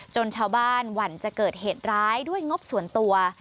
ชาวบ้านหวั่นจะเกิดเหตุร้ายด้วยงบส่วนตัว